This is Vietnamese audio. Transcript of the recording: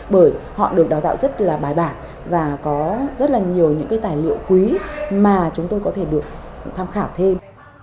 bởi họ được đào tạo rất là bài bản và có rất là nhiều những cái tài liệu quý mà chúng tôi có thể được tham khảo thêm